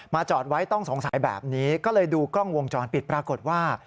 จอดไว้ต้องสงสัยแบบนี้ก็เลยดูกล้องวงจรปิดปรากฏว่า